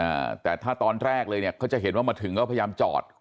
อ่าแต่ถ้าตอนแรกเลยเนี้ยเขาจะเห็นว่ามาถึงก็พยายามจอด